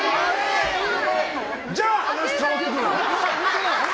じゃあ、話が変わってくる！